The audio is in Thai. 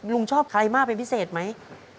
ลุงชอบใครมากเป็นพิเศษไหม